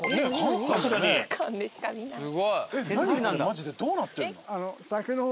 マジでどうなってんの？